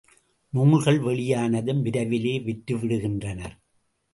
நூல்கள் வெளியானதும் விரைவிலே விற்று விடுகின்றனர்.